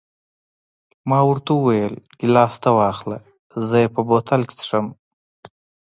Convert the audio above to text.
ما ورته وویل: ګیلاس ته واخله، زه یې په بوتل کې څښم.